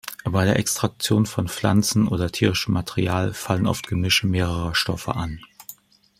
Bei der Extraktion von Pflanzen oder tierischem Material fallen oft Gemische mehrerer Stoffe an.